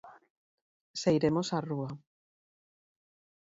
Sairemos á rúa.